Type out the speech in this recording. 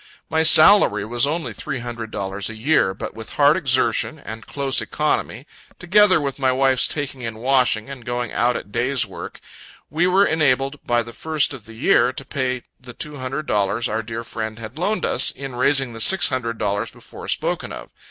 My salary was only three hundred dollars a year; but with hard exertion and close economy, together with my wife's taking in washing and going out at day's work, we were enabled by the first of the year, to pay the two hundred dollars our dear friend had loaned us, in raising the six hundred dollars before spoken of.